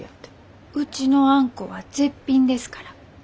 うちのあんこは絶品ですから。